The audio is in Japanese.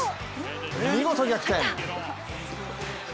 見事逆転！